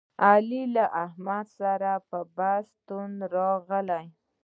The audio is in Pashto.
علي له احمد سره په بحث کې تت راغلی.